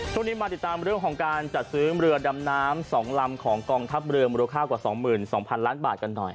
ช่วงนี้มาติดตามเรื่องของการจัดซื้อเรือดำน้ำ๒ลำของกองทัพเรือมูลค่ากว่า๒๒๐๐๐ล้านบาทกันหน่อย